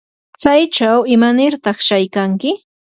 ¿tsaychaw imanirtaq shaykanki?